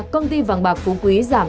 công ty vàng bạc phú quý giảm